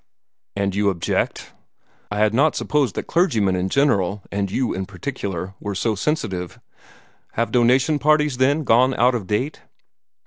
"And you object? I had not supposed that clergymen in general and you in particular were so sensitive. Have donation parties, then, gone out of date?"